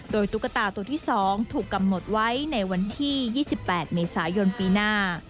โดยตุ๊กตาตัวที่๒ถูกกำหนดไว้ในวันที่๒๘เมษายนปีหน้า